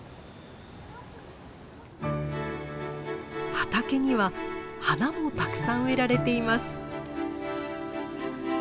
畑には花もたくさん植えられています。